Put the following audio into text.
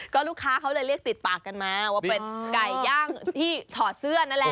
ก็ลูกค้าเขาเลยเรียกติดปากกันมาว่าเป็นไก่ย่างที่ถอดเสื้อนั่นแหละ